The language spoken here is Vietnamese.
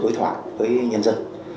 đối thoại với nhân dân